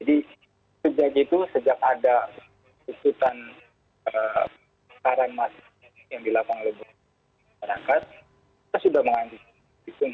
jadi sejak itu sejak ada kesempatan perang masyarakat yang dilapang lebih berangkat kita sudah menghentikan